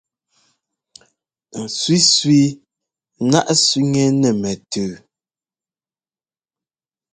Sẅísẅí náʼ sẅiŋɛ́ nɛ́ mɛtʉʉ.